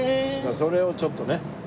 それをちょっとね。